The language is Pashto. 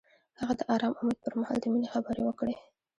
هغه د آرام امید پر مهال د مینې خبرې وکړې.